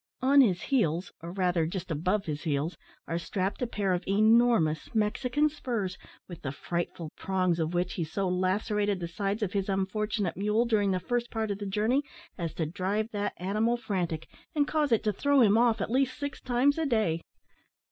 On his heels, or, rather, just above his heels, are strapped a pair of enormous Mexican spurs, with the frightful prongs of which he so lacerated the sides of his unfortunate mule, during the first part of the journey, as to drive that animal frantic, and cause it to throw him off at least six times a day.